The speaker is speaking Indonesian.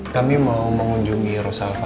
kami mau mengunjungi rosa alvar